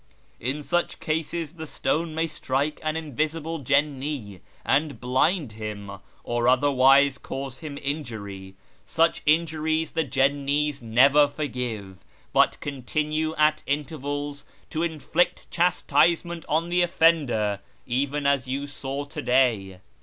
In such cases the stone may strike an invisible Jinni and blind him or otherwise cause him injury ; such injury the Jinni's never forgive, but continue at intervals to inflict chastisement on the offender, even as you saw to day."